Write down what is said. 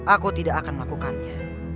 aku tidak akan lakukannya